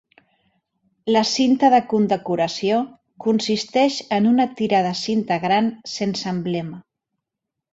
La cinta de condecoració consisteix en una tira de cinta gran sense emblema.